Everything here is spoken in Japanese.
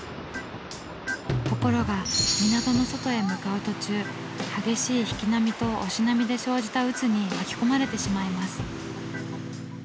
ところが港の外へ向かう途中激しい引き波と押し波で生じた渦に巻き込まれてしまいます。